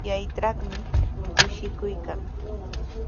Chaytrawmi kushikuy kan.